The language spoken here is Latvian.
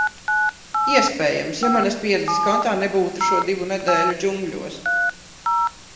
Iespējams, ja manas pieredzes kontā nebūtu šo divu nedēļu džungļos.